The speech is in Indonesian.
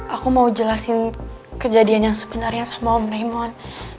aku mau jelasin kejadian yang sebenarnya sama om raymond